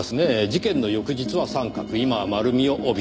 事件の翌日は三角今は丸みを帯びている。